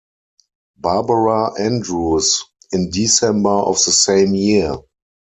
Barbara Andrews, in December of the same year.